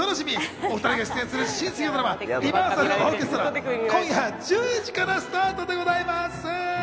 お２人が出演する新水曜ドラマ『リバーサルオーケストラ』、今夜１０時からスタートでございます。